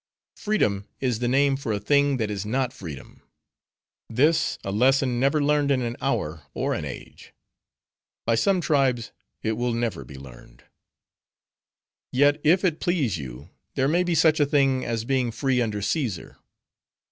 Freedom is the name for a thing that is not freedom; this, a lesson never learned in an hour or an age. By some tribes it will never be learned. "Yet, if it please you, there may be such a thing as being free under Caesar.